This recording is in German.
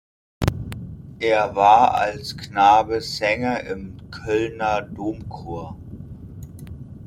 Er war als Knabe Sänger im Kölner Domchor.